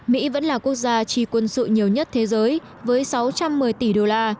mỹ vẫn là quốc gia chi quân sự nhiều nhất thế giới với sáu trăm một mươi tỷ đô la